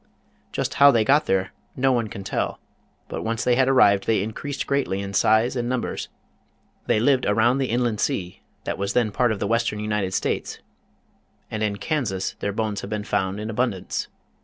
Just how they got here no one can tell, but once they had arrived, they increased greatly in size and num bers. They lived around the inland sea that was then part of the western United States, and in Kansas their bones have been found in abundance.